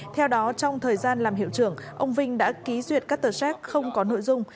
theo đó trong thời gian làm hiệu trưởng ông vinh đã ký duyệt các tờ xác không có nội dung